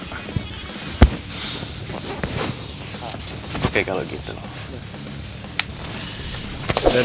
kamu seharusnya ucap